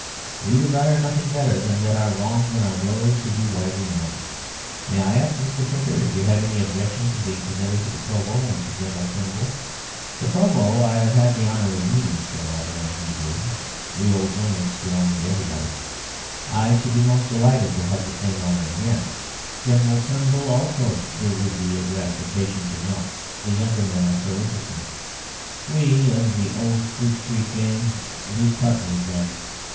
We desire nothing better than that our wrongs and our glories should be widely known. May I ask, Mr. Pinker, if you have any objection to being presented to the Provost and to General Turnbull?" "The Provost I have had the honour of meeting," said Auberon, easily. "We old journalists, you know, meet everybody. I should be most delighted to have the same honour again. General Turnbull, also, it would be a gratification to know. The younger men are so interesting. We of the old Fleet Street gang lose touch with them."